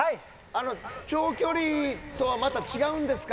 長距離とはまた違うんですか？